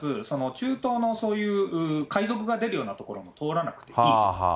その中東のそういう海賊が出るような所も通らなくていいと。